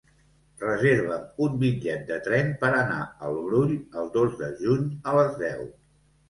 Reserva'm un bitllet de tren per anar al Brull el dos de juny a les deu.